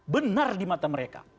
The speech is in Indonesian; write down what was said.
benar di mata mereka